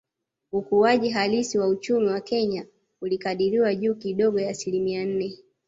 Ukuaji halisi wa uchumi wa Kenya ulikadiriwa juu kidogo ya asilimia nne